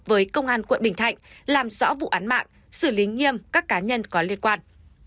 với công an quận bình thạnh làm rõ vụ án mạng xử lý nghiêm các cá nhân có liên quan